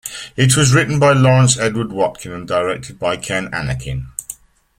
It was written by Lawrence Edward Watkin and directed by Ken Annakin.